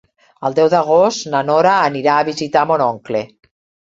El deu d'agost na Nora anirà a visitar mon oncle.